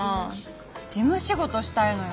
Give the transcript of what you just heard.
事務仕事したいのよ